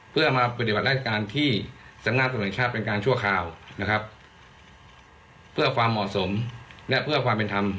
เพื่อความเหมาะสมและเพื่อความเป็นธรรม